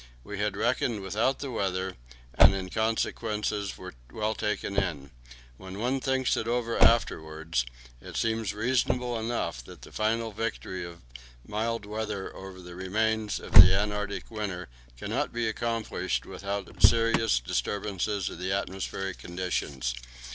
We had reckoned without the weather, and in consequence were well taken in. When one thinks over it afterwards, it seems reasonable enough that the final victory of mild weather over the remains of the Antarctic winter cannot be accomplished without serious disturbances of the atmospheric conditions.